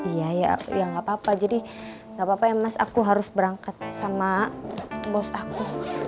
iya ya gapapa jadi gapapa ya mas aku harus berangkat sama bos aku